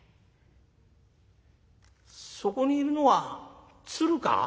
そこにいるのは鶴か？